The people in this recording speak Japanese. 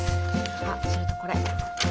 あっそれとこれ。